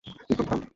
বিক্রম, থাম।